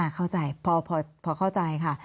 เข้าใจพอเข้าใจค่ะ